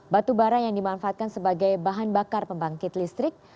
batu bara yang dimanfaatkan sebagai bahan bakar pembangkit listrik